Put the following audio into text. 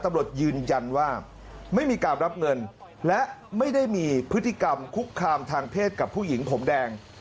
ตำรวจยืนยันว่าไม่มีการรับเงินและไม่ได้มีพฤติกรรมคุกคามทางเพศกับผู้หญิงผมแดง